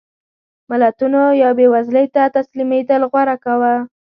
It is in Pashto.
ملتونو یا بېوزلۍ ته تسلیمېدل غوره کاوه.